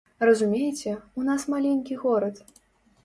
Разумееце, у нас маленькі горад.